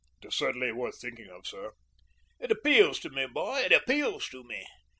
"It is certainly worth thinking of, sir." "It appeals to me, boy; it appeals to me.